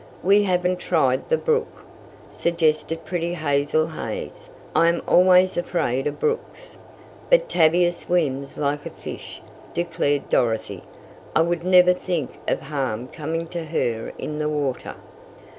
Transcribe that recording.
"We haven't tried the brook," suggested pretty Hazel Hays. "I am always afraid of brooks." "But Tavia swims like a fish," declared Dorothy. "I would never think of harm coming to her in the water."